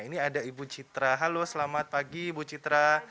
ini ada ibu citra halo selamat pagi ibu citra